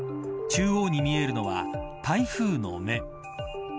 中央に見えるのは台風の目。